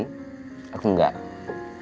tapi percaya kan